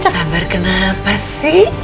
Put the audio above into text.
sabar kenapa sih